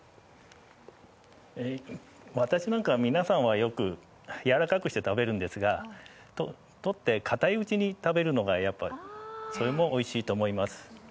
私なんかは、皆さんはよく柔らかくして食べるんですがとって固いうちに食べるのもおいしいと思います。